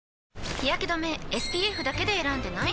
日やけ止めＳＰＦだけで選んでない？